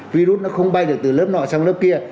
virus nó không bay được từ lớp nọ sang lớp kia